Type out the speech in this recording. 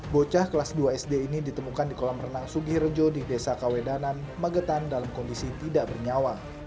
bocah kelas dua sd ini ditemukan di kolam renang sugirejo di desa kawedanan magetan dalam kondisi tidak bernyawa